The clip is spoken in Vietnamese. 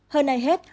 hơn ai hết